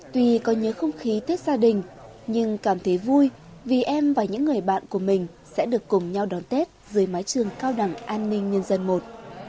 tuy có nhớ không khí tết gia đình nhưng cảm thấy vui vì em và những người bạn của mình sẽ được cùng nhau đón tết dưới mái trường cao đẳng an ninh nhân dân i